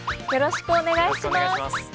よろしくお願いします。